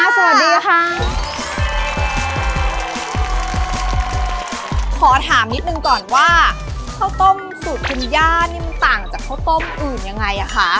ขอถามนิดนึงก่อนว่าข้าวต้มสูตรคุณย่าเนี่ยมันต่างจากข้าวต้มอื่นยังไงคะ